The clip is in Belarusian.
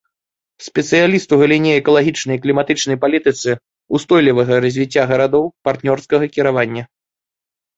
Спецыяліст у галіне экалагічнай і кліматычнай палітыцы, устойлівага развіцця гарадоў, партнёрскага кіравання.